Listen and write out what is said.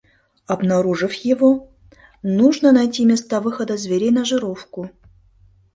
Обнаружив его, нужно найти места выхода зверей на жировку.